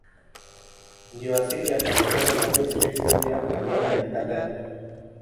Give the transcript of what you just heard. Ndiyo asili ya farakano la Misri, Syria, Armenia nakadhalika.